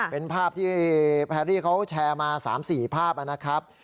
เป็นภาพที่แพรรี่เขาแชร์มา๓๔ภาพนะครับ